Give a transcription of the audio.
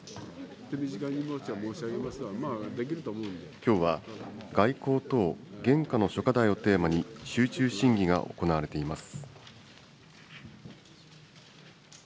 きょうは外交等現下の諸課題をテーマに、集中審議が行われています。